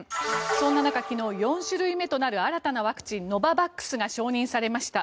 そんな中、４種類目となる新たなワクチンノババックスが承認されました。